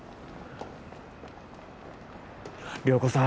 ・涼子さん